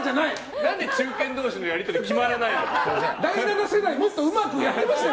何で中堅同士のやり取りが決まらないのよ。